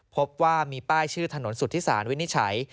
พบว่ามีป้ายชื่อถนนสุธิสารวินิจฉัย